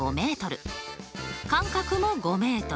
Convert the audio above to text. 間隔も５ｍ。